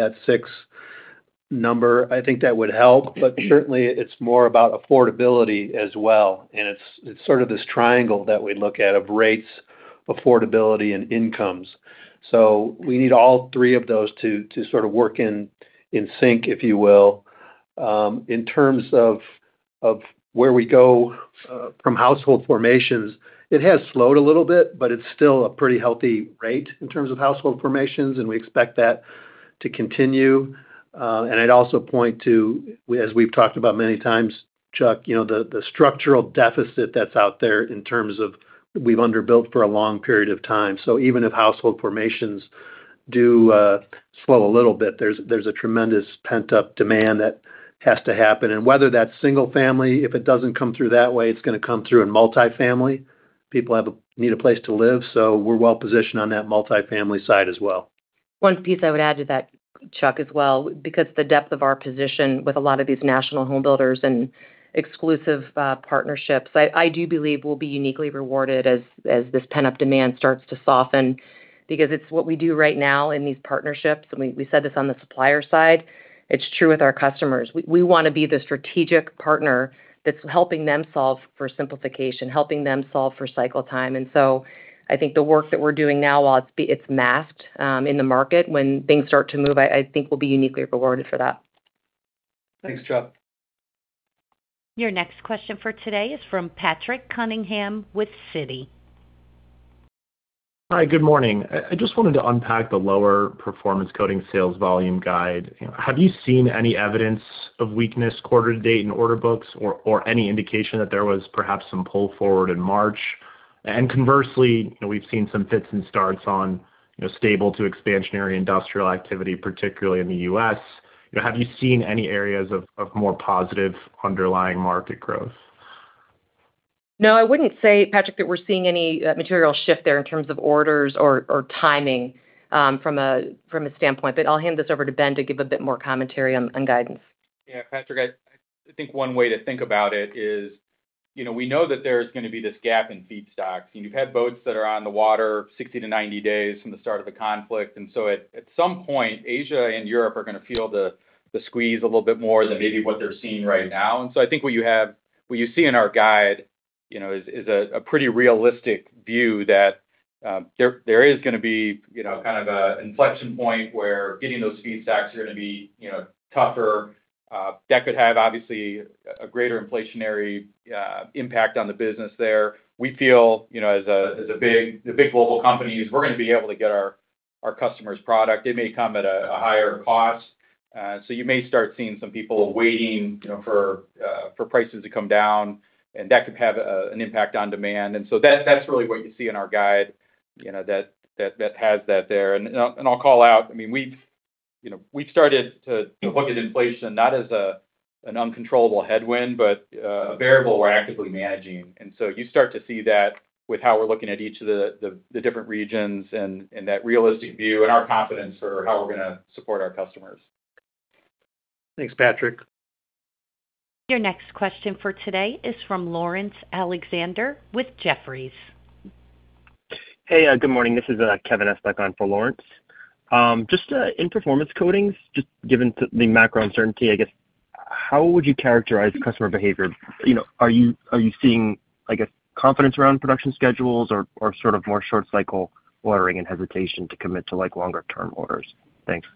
that 6 number. I think that would help, but certainly it's more about affordability as well. It's sort of this triangle that we look at of rates, affordability, and incomes. We need all 3 of those to sort of work in sync, if you will. In terms of where we go from household formations, it has slowed a little bit, but it's still a pretty healthy rate in terms of household formations, and we expect that to continue. I'd also point to, as we've talked about many times, Chuck, you know, the structural deficit that's out there in terms of we've underbuilt for a long period of time. Even if household formations do slow a little bit, there's a tremendous pent-up demand that has to happen. Whether that's single family, if it doesn't come through that way, it's gonna come through in multifamily. People need a place to live, so we're well-positioned on that multifamily side as well. One piece I would add to that, Chuck, as well, because the depth of our position with a lot of these national home builders and exclusive partnerships, I do believe we'll be uniquely rewarded as this pent-up demand starts to soften because it's what we do right now in these partnerships. We said this on the supplier side, it's true with our customers. We wanna be the strategic partner that's helping them solve for simplification, helping them solve for cycle time. I think the work that we're doing now, while it's masked in the market, when things start to move, I think we'll be uniquely rewarded for that. Thanks, Chuck. Your next question for today is from Patrick Cunningham with Citi. Hi, good morning. I just wanted to unpack the lower Performance Coatings sales volume guide. Have you seen any evidence of weakness quarter to date in order books or any indication that there was perhaps some pull forward in March? Conversely, you know, we've seen some fits and starts on, you know, stable to expansionary industrial activity, particularly in the US You know, have you seen any areas of more positive underlying market growth? No, I wouldn't say, Patrick, that we're seeing any material shift there in terms of orders or timing from a standpoint. I'll hand this over to Ben to give a bit more commentary on guidance. Yeah. Patrick, I think one way to think about it is, you know, we know that there is gonna be this gap in feedstocks. You know, you've had boats that are on the water 60 to 90 days from the start of a conflict. At some point, Asia and Europe are gonna feel the squeeze a little bit more than maybe what they're seeing right now. I think what you see in our guide, you know, is a pretty realistic view that there is gonna be, you know, kind of a inflection point where getting those feedstocks are gonna be, you know, tougher. That could have, obviously, a greater inflationary impact on the business there. We feel, you know, as the big global companies, we're gonna be able to get our customers product. It may come at a higher cost. You may start seeing some people waiting, you know, for prices to come down, that could have an impact on demand. That's really what you see in our guide, you know, that has that there. I'll call out, I mean, we've, you know, we've started to look at inflation not as an uncontrollable headwind, but a variable we're actively managing. You start to see that with how we're looking at each of the different regions and that realistic view and our confidence for how we're gonna support our customers. Thanks, Patrick. Your next question for today is from Laurence Alexander with Jefferies. Hey, good morning. This is Kevin Estok on for Laurence. Just in Performance Coatings, just given to the macro uncertainty, I guess, how would you characterize customer behavior? You know, are you seeing, I guess, confidence around production schedules or sort of more short cycle ordering and hesitation to commit to, like, longer term orders? Thanks.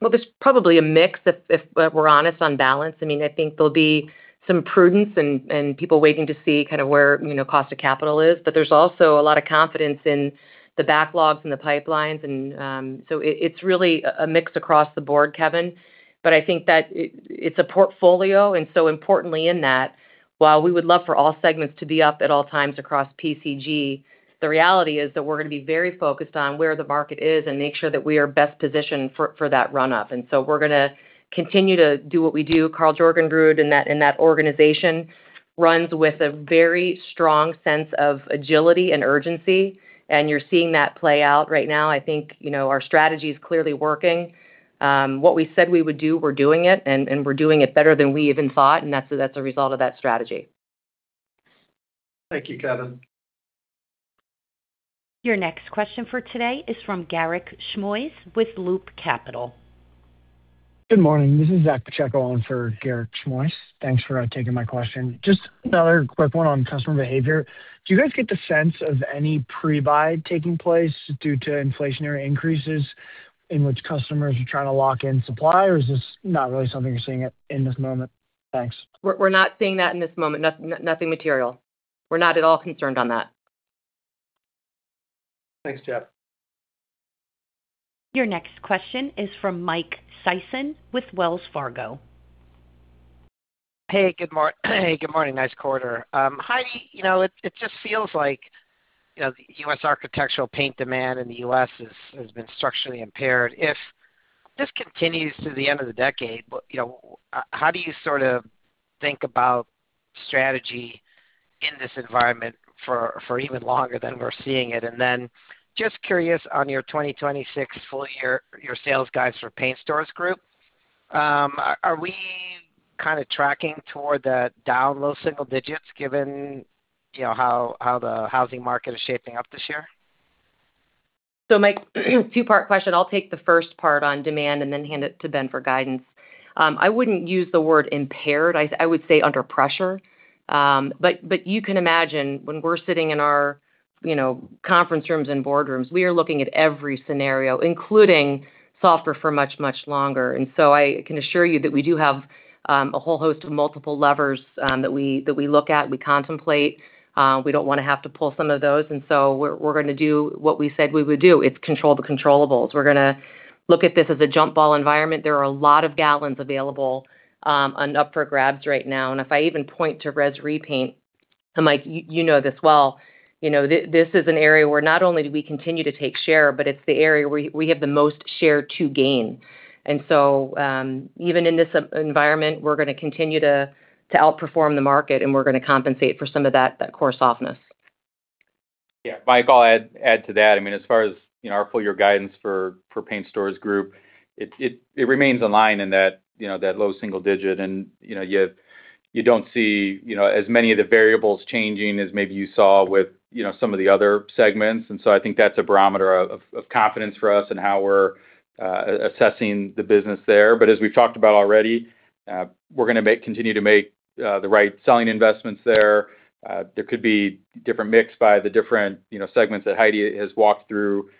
Well, there's probably a mix if we're honest on balance. I mean, I think there'll be some prudence and people waiting to see kind of where, you know, cost of capital is. There's also a lot of confidence in the backlogs and the pipelines and, so it's really a mix across the board, Kevin. I think that it's a portfolio, importantly in that, while we would love for all segments to be up at all times across PCG, the reality is that we're gonna be very focused on where the market is and make sure that we are best positioned for that run up. We're gonna continue to do what we do. Karl J. Jorgenrud in that organization runs with a very strong sense of agility and urgency. You're seeing that play out right now. I think, you know, our strategy is clearly working. What we said we would do, we're doing it and we're doing it better than we even thought, and that's a result of that strategy. Thank you, Kevin. Your next question for today is from Garik Shmois with Loop Capital. Good morning. This is Zach Pacheco on for Garik Shmois. Thanks for taking my question. Just another quick one on customer behavior. Do you guys get the sense of any pre-buy taking place due to inflationary increases in which customers are trying to lock in supply, or is this not really something you're seeing at, in this moment? Thanks. We're not seeing that in this moment. Nothing material. We're not at all concerned on that. Thanks, Jeff. Your next question is from Mike Sison with Wells Fargo. Hey, good morning. Nice quarter. Heidi, you know, it just feels like, you know, the US architectural paint demand in the US has been structurally impaired. If this continues to the end of the decade, what, you know, how do you sort of think about strategy in this environment for even longer than we're seeing it? Just curious on your 2026 full year, your sales guides for Paint Stores Group, are we kinda tracking toward the down low single digits given, you know, how the housing market is shaping up this year? Mike, two-part question. I'll take the first part on demand and then hand it to Ben for guidance. I wouldn't use the word impaired. I would say under pressure. But you can imagine when we're sitting in our, you know, conference rooms and boardrooms, we are looking at every scenario, including softer for much, much longer. I can assure you that we do have a whole host of multiple levers that we look at, we contemplate. We don't wanna have to pull some of those, we're gonna do what we said we would do, it's control the controllable. We're gonna look at this as a jump ball environment. There are a lot of gallons available and up for grabs right now. If I even point to res repaint, Mike, you know this well, this is an area where not only do we continue to take share, but it's the area where we have the most share to gain. Even in this environment, we're gonna continue to outperform the market, and we're gonna compensate for some of that core softness. Yeah, Mike, I'll add to that. I mean, as far as, you know, our full year guidance for Paint Stores Group, it remains in line in that, you know, that low single digit. You know, you don't see, you know, as many of the variables changing as maybe you saw with, you know, some of the other segments. I think that's a barometer of confidence for us and how we're assessing the business there. As we've talked about already, we're gonna continue to make the right selling investments there. There could be different mix by the different, you know, segments that Heidi has walked through,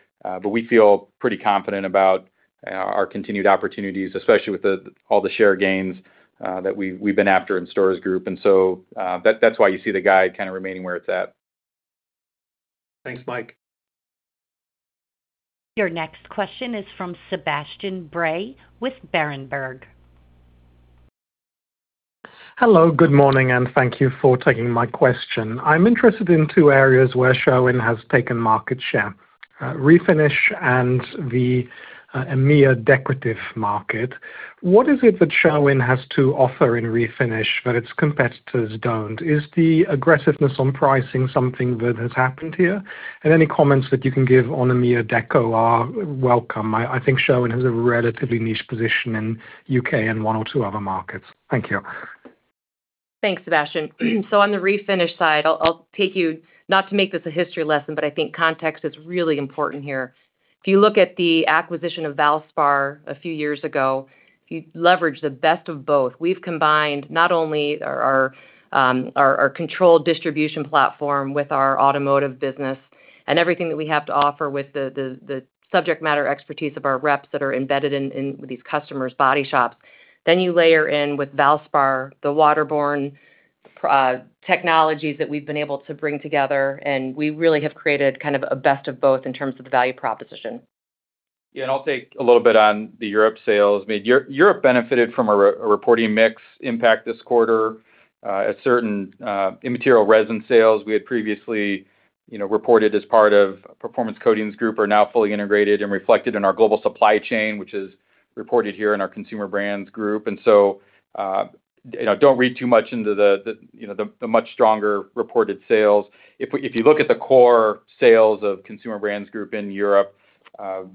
we feel pretty confident about our continued opportunities, especially with all the share gains that we've been after in Stores Group. That's why you see the guide kind of remaining where it's at. Thanks, Mike. Your next question is from Sebastian Bray with Berenberg. Hello, good morning, and thank you for taking my question. I'm interested in two areas where Sherwin has taken market share, Refinish and the EMEA Decorative market. What is it that Sherwin has to offer in Refinish that its competitors don't? Is the aggressiveness on pricing something that has happened here? Any comments that you can give on EMEA Deco are welcome. I think Sherwin has a relatively niche position in UK and one or two other markets. Thank you. Thanks, Sebastian. On the Refinish side, I'll take you, not to make this a history lesson, but I think context is really important here. If you look at the acquisition of Valspar a few years ago, you leverage the best of both. We've combined not only our controlled distribution platform with our automotive business and everything that we have to offer with the subject matter expertise of our reps that are embedded in these customers' body shops. You layer in with Valspar, the waterborne technologies that we've been able to bring together, we really have created kind of a best of both in terms of the value proposition. Yeah, I'll take a little bit on the Europe sales. I mean, Europe benefited from a reporting mix impact this quarter. A certain immaterial resin sales we had previously, you know, reported as part of Performance Coatings Group are now fully integrated and reflected in our global supply chain, which is reported here in our Consumer Brands Group. Don't read too much into the, you know, the much stronger reported sales. If you look at the core sales of Consumer Brands Group in Europe,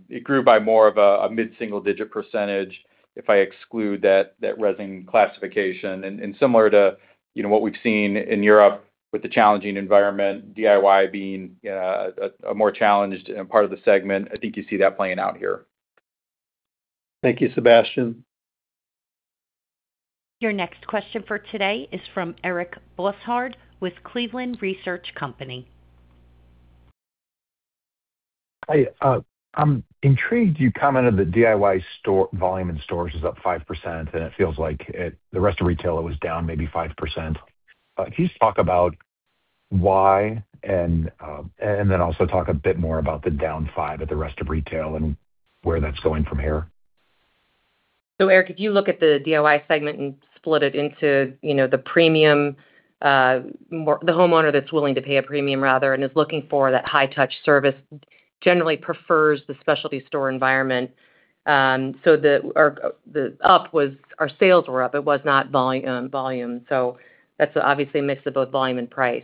it grew by more of a mid-single digit percentage if I exclude that resin classification. And similar to, you know, what we've seen in Europe with the challenging environment, DIY being a more challenged part of the segment. I think you see that playing out here. Thank you, Sebastian. Your next question for today is from Eric Bosshard with Cleveland Research Company. Hi, I'm intrigued you commented the DIY store volume in stores is up 5%, it feels like the rest of retailer was down maybe 5%. Can you just talk about why, then also talk a bit more about the down 5 at the rest of retail and where that's going from here? Eric, if you look at the DIY segment and split it into, you know, the premium, the homeowner that's willing to pay a premium rather and is looking for that high-touch service generally prefers the specialty store environment. Our sales were up, it was not volume. That's obviously a mix of both volume and price.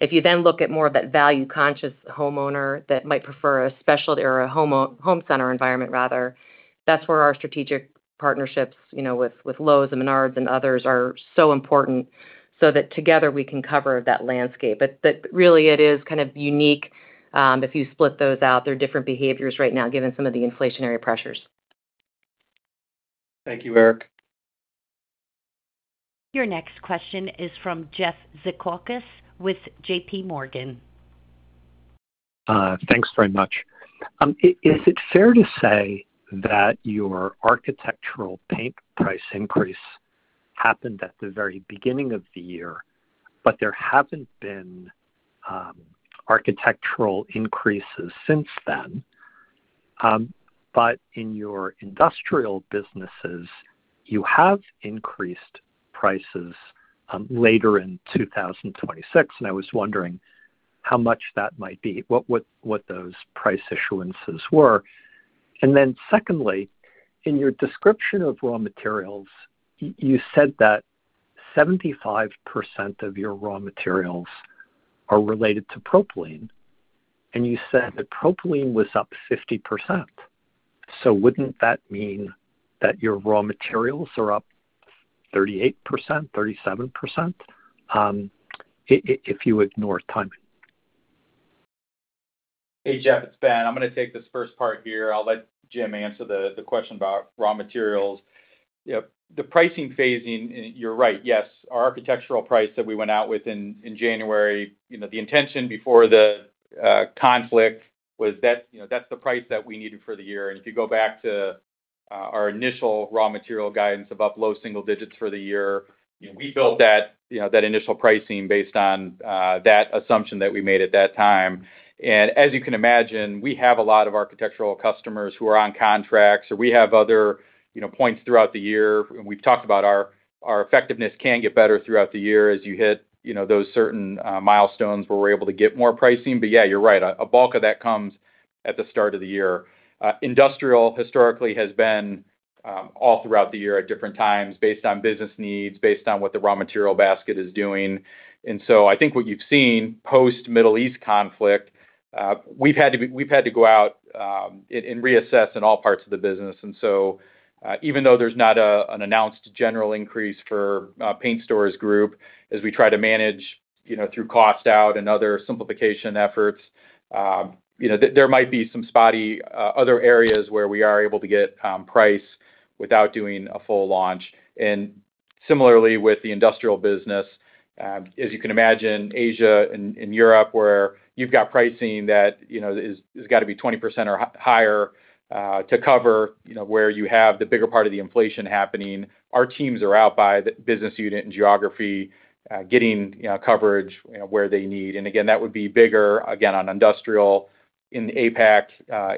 If you then look at more of that value-conscious homeowner that might prefer a specialty or a home center environment rather, that's where our strategic partnerships, you know, with Lowe's and Menards and others are so important, so that together we can cover that landscape. Really it is kind of unique if you split those out. They're different behaviors right now given some of the inflationary pressures. Thank you, Eric. Your next question is from Jeff Zekauskas with JPMorgan. Thanks very much. Is it fair to say that your architectural paint price increase happened at the very beginning of the year, but there haven't been architectural increases since then. In your industrial businesses, you have increased prices later in 2026, and I was wondering how much that might be. What those price issuances were. Secondly, in your description of raw materials, you said that 75% of your raw materials are related to propylene, and you said that propylene was up 50%. Wouldn't that mean that your raw materials are up 38%, 37%, if you ignore timing? Hey, Jeff, it's Ben. I'm gonna take this first part here. I'll let Jim answer the question about raw materials. Yep, the pricing phasing, and you're right. Yes, our architectural price that we went out with in January, you know, the intention before the conflict was that, you know, that's the price that we needed for the year. If you go back to our initial raw material guidance of up low single digits for the year, we built that, you know, that initial pricing based on that assumption that we made at that time. As you can imagine, we have a lot of architectural customers who are on contracts, or we have other, you know, points throughout the year, and we've talked about our effectiveness can get better throughout the year as you hit, you know, those certain milestones where we're able to get more pricing. Yeah, you're right. A bulk of that comes at the start of the year. Industrial historically has been all throughout the year at different times based on business needs, based on what the raw material basket is doing. I think what you've seen post Middle East conflict, we've had to go out and reassess in all parts of the business. Even though there's not an announced general increase for Paint Stores Group, as we try to manage, you know, through cost out and other simplification efforts, you know, there might be some spotty other areas where we are able to get price without doing a full launch. Similarly, with the industrial business, as you can imagine, Asia and Europe, where you've got pricing that, you know, is, has got to be 20% or higher, to cover, you know, where you have the bigger part of the inflation happening. Our teams are out by the business unit and geography, getting, you know, coverage, you know, where they need. Again, that would be bigger again on industrial in APAC,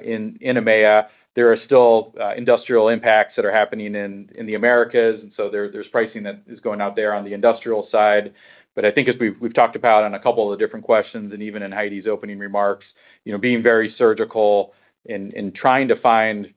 in EMEA. There are still industrial impacts that are happening in the Americas. There's pricing that is going out there on the industrial side. I think as we've talked about on a couple of the different questions and even in Heidi's opening remarks, you know, being very surgical and trying to find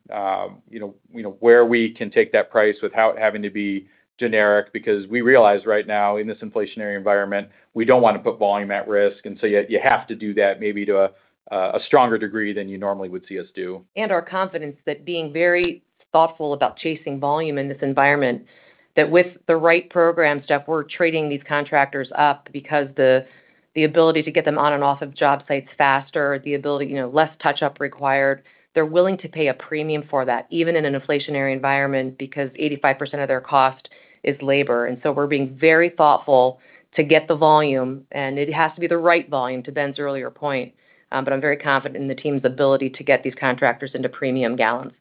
where we can take that price without having to be generic, because we realize right now in this inflationary environment, we don't wanna put volume at risk. You have to do that maybe to a stronger degree than you normally would see us do. Our confidence that being very thoughtful about chasing volume in this environment, that with the right program stuff, we're trading these contractors up because the ability to get them on and off of job sites faster, the ability, you know, less touch-up required. They're willing to pay a premium for that, even in an inflationary environment, because 85% of their cost is labor. We're being very thoughtful to get the volume, and it has to be the right volume to Ben's earlier point. I'm very confident in the team's ability to get these contractors into premium gallons.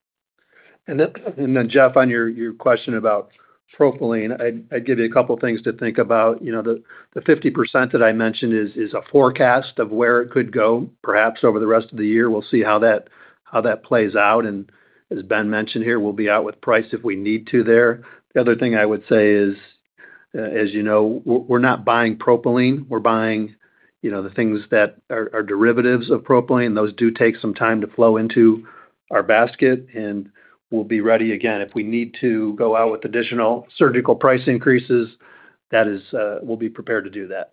Jeff, on your question about propylene, I'd give you a couple of things to think about. The 50% that I mentioned is a forecast of where it could go perhaps over the rest of the year. We'll see how that plays out. As Ben mentioned here, we'll be out with price if we need to there. The other thing I would say is, as you know, we're not buying propylene, we're buying the things that are derivatives of propylene. Those do take some time to flow into our basket, and we'll be ready again. If we need to go out with additional surgical price increases, that is, we'll be prepared to do that.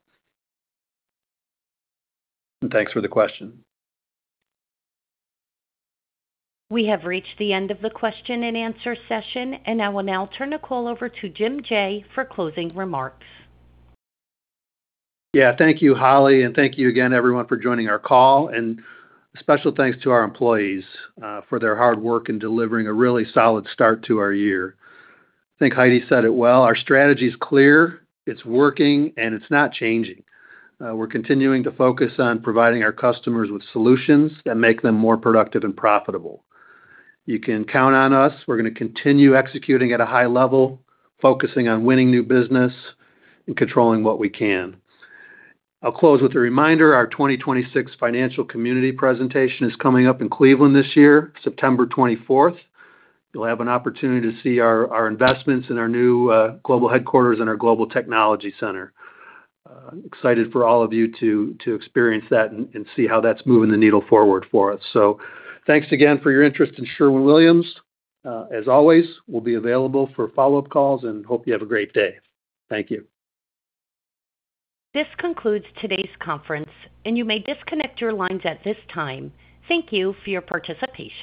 Thanks for the question. We have reached the end of the question and answer session, and I will now turn the call over to Jim Jaye for closing remarks. Thank you, Holly, thank you again everyone for joining our call. Special thanks to our employees for their hard work in delivering a really solid start to our year. I think Heidi said it well. Our strategy is clear, it's working, it's not changing. We're continuing to focus on providing our customers with solutions that make them more productive and profitable. You can count on us. We're gonna continue executing at a high level, focusing on winning new business and controlling what we can. I'll close with a reminder, our 2026 financial community presentation is coming up in Cleveland this year, September 24th. You'll have an opportunity to see our investments in our new global headquarters and our global technology center. Excited for all of you to experience that and see how that's moving the needle forward for us. Thanks again for your interest in Sherwin-Williams. As always, we'll be available for follow-up calls and hope you have a great day. Thank you. This concludes today's conference, and you may disconnect your lines at this time. Thank you for your participation.